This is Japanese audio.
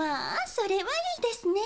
それはいいですね。